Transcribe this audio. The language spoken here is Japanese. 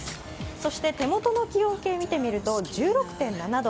そして手元の気温計見てみると１６．７度。